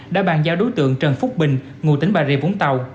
đã bàn giao đối tượng trần phúc bình ngụ tỉnh bà rịa vũng tàu